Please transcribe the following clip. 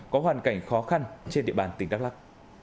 có hoàn cảnh khó khăn trên địa bàn tỉnh đắk lắc